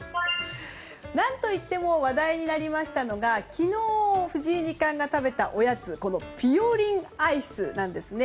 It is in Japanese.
何といっても話題になりましたのが昨日、藤井二冠が食べたおやつこのぴよりんアイスなんですね。